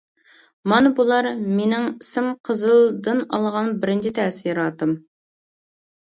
مانا بۇلار «مېنىڭ ئىسىم قىزىل» دىن ئالغان بىرىنچى تەسىراتىم.